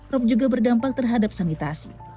rob juga berdampak terhadap sanitasi